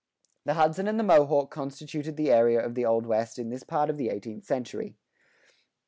The Hudson and the Mohawk constituted the area of the Old West in this part of the eighteenth century.